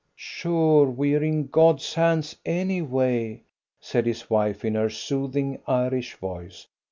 "Sure we're in God's hands, anyway," said his wife, in her soothing, Irish voice.